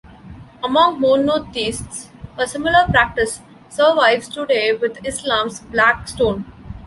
Among monotheists, a similar practice survives today with Islam's Black Stone.